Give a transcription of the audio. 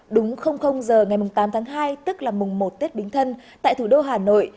đúng giờ ngày tám tháng hai tức là mùng một tết bính thân tại thủ đô hà nội